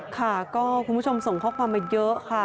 ค่ะก็คุณผู้ชมส่งข้อความมาเยอะค่ะ